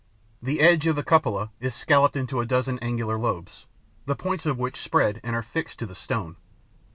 The edge of the cupola is scalloped into a dozen angular lobes, the points of which spread and are fixed to the stone.